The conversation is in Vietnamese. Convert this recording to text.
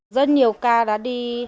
rất nhiều ca đã đi